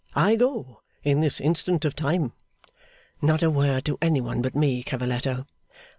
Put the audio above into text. I go, in this instant of time!' 'Not a word to any one but me, Cavalletto.